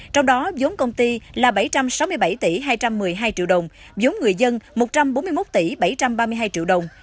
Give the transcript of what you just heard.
trong đó giống công ty là bảy trăm sáu mươi bảy tỷ hai trăm một mươi hai triệu đồng giống người dân một trăm bốn mươi một tỷ bảy trăm ba mươi hai triệu đồng